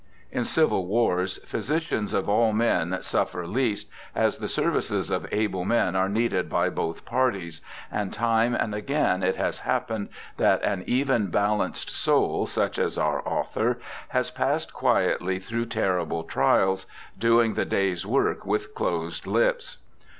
In civil wars physicians of all men suffer least, as the sen^ices of able men are needed by both parties, and time and again it has happened that an even balanced soul, such as our author, has passed quietly through terrible trials, doing the day's work with closed lips.